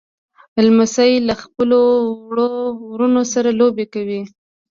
لمسی له خپلو وړو وروڼو سره لوبې کوي.